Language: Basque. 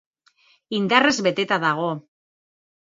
Indarrez beteta dago.